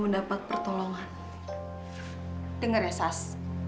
dengar ya sas